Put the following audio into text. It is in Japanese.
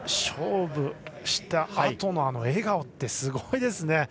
勝負したあとの笑顔ってすごいですね。